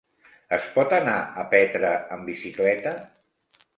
Es pot anar a Petra amb bicicleta?